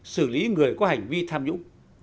xử lý người có hành vi tham nhũng